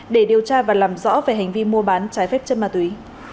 để điều tra và làm rõ về hành vi mua bán trái phép chất ma túy